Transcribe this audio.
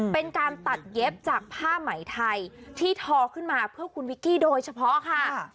เป็นการตัดเย็บจากผ้าไหมไทยที่ทอขึ้นมาเพื่อคุณวิกกี้โดยเฉพาะค่ะ